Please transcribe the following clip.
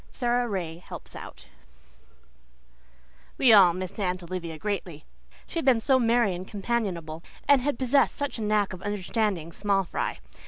SARA RAY HELPS OUT We all missed Aunt Olivia greatly; she had been so merry and companionable, and had possessed such a knack of understanding small fry.